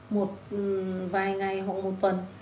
một vài ngày hoặc một tuần